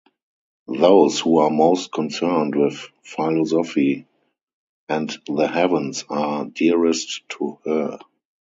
Those who are most concerned with philosophy and the heavens are dearest to her.